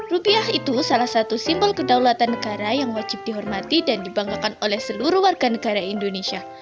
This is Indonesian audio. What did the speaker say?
rupiah itu salah satu simbol kedaulatan negara yang wajib dihormati dan dibanggakan oleh seluruh warga negara indonesia